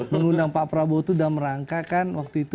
mengundang pak prabowo itu udah merangkakan waktu itu dua satu dua